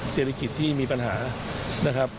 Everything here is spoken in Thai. เศรษฐกิจที่มีปัญหานะครับ